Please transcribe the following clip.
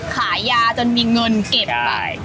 ขายยาจนมีเงินเก็บไป